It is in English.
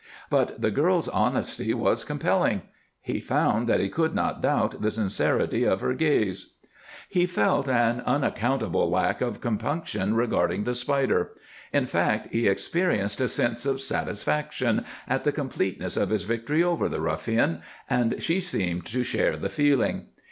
But the girl's honesty was compelling; he found that he could not doubt the sincerity of her gaze. He felt an unaccountable lack of compunction regarding the Spider. In fact, he experienced a sense of satisfaction at the completeness of his victory over the ruffian, and she seemed to share the feeling.